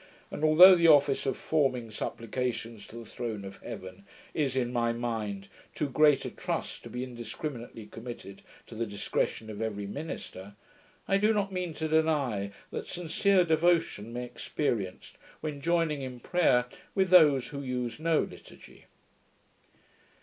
And although the office of forming supplications to the throne of Heaven is, in my mind, too great a trust to be indiscriminately committed to the discretion of every minister, I do not mean to deny that sincere devotion may be experienced when joining in prayer with those who use no Liturgy.